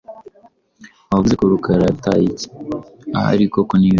wavuze ko Rukara yataye iki" "ahari koko nibeshye."